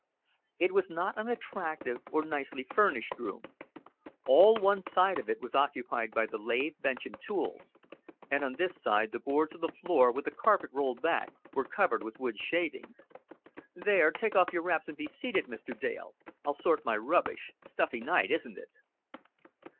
It was not an attractive or nicely furnished room. All one side of it was occupied by the lathe, bench, and tools; and on this side the boards of the floor, with a carpet rolled back, were covered with wood shavings. "There, take off your wraps and be seated, Mr. Dale. I'll sort my rubbish. Stuffy night, isn't it?"